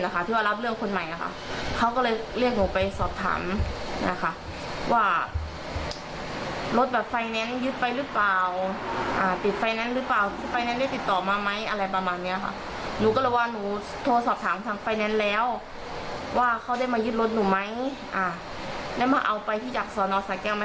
การยึดรถได้ในทั้งสิ้นค่ะเพราะว่าอยู่ในอ่ากำลังติดตาม